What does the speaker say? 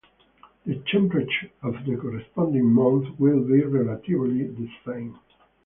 The temperature of the corresponding month will be relatively the same.